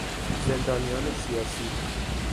زندانیان سیاسی